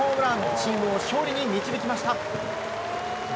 チームを勝利に導きました。